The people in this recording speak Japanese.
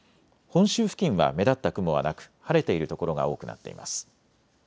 本州付近は目立った雲はなく晴れている所が多くなっています。